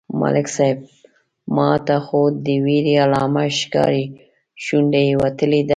_ملک صيب! ماته خو د وېرې علامه ښکاري، شونډه يې وتلې ده.